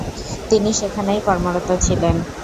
তিনি সেখানেই কর্মরত ছিলেন।